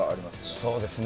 そうですね。